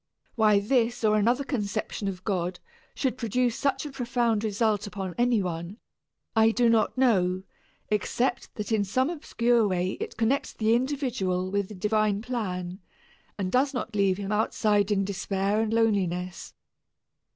Why this or another conception of God should produce such a profound result upon any one, I do not know, except that in some obscure way it connects the individual with the divine plan, and does not leave him outside in despair and loneliness.